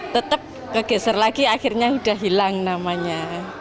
tetap ke geser lagi akhirnya sudah hilang namanya